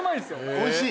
おいしい？